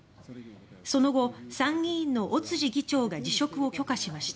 その後、参議院の尾辻議長が辞職を許可しました。